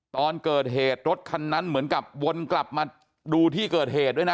ตอนเกิดเหตุรถคันนั้นเหมือนกับวนกลับมาดูที่เกิดเหตุด้วยนะ